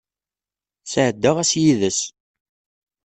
Sɛeddaɣ ass yid-s.